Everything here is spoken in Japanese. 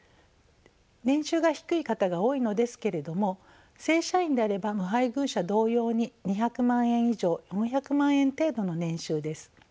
年収が低い方が多いのですけれども正社員であれば無配偶者同様に２００万円以上４００万円程度の年収です。